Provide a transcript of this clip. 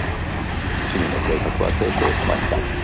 君の計画は成功しました。